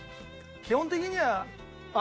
基本的には。